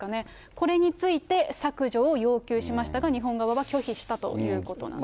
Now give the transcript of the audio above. これについて削除を要求しましたが、日本側は拒否したということなんです。